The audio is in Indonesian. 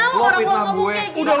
gue gak fitnah lo orang loka buke